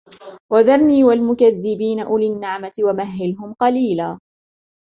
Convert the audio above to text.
وَذَرْنِي وَالْمُكَذِّبِينَ أُولِي النَّعْمَةِ وَمَهِّلْهُمْ قَلِيلا